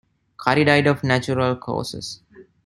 Curry died of natural causes.